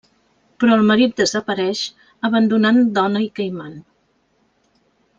Però el marit desapareix, abandonant dona i caiman.